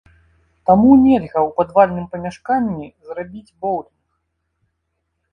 Таму нельга ў падвальным памяшканні зрабіць боўлінг.